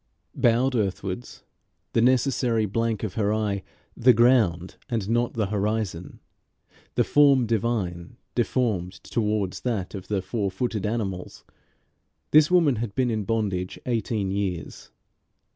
Bowed earthwards, the necessary blank of her eye the ground and not the horizon, the form divine deformed towards that of the four footed animals, this woman had been in bondage eighteen years.